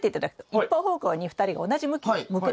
一方方向に２人が同じ向きに向く。